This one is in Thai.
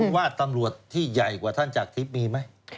ว่าตำรวจที่ใหญ่กว่าท่านจากทิพย์มีไหม